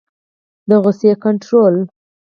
د غصې کنټرول